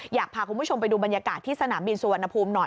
อยากพาคุณผู้ชมไปดูบรรยากาศที่สนามบินสุวรรณภูมิหน่อย